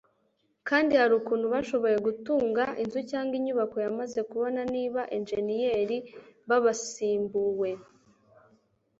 kandi hari ukuntu bashoboye gutunga inzu cyangwa inyubako yamaze kubora ni ba injeniyeri b'abasimbuwe